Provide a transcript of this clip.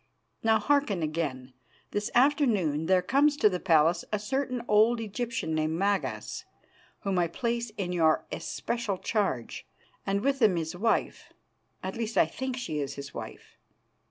Now hearken again. This afternoon there comes to the palace a certain old Egyptian named Magas, whom I place in your especial charge, and with him his wife at least, I think she is his wife."